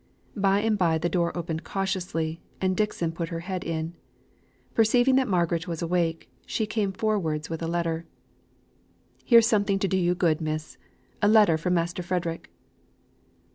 By and by the door opened cautiously, and Dixon put her head in. Perceiving that Margaret was awake, she came forwards with a letter. "Here's something to do you good, miss. A letter from Master Frederick."